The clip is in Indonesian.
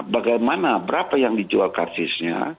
bagaimana berapa yang dijual karsisnya